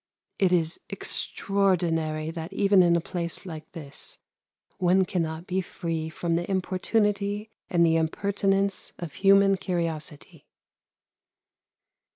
It is extraordinary that even in a place like this one cannot be free from the importunity and the impertinence of human curiosity.